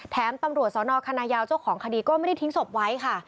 ตำรวจสนคณะยาวเจ้าของคดีก็ไม่ได้ทิ้งศพไว้ค่ะ